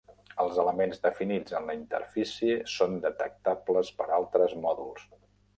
Els elements definits en la interfície són detectables per altres mòduls.